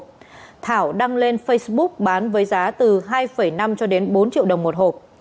ông thảo đăng lên facebook bán với giá từ hai năm bốn triệu đồng một hộp